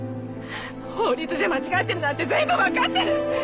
法律じゃ間違ってるなんて全部わかってる！